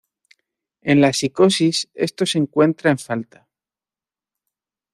En la psicosis esto se encuentra en falta.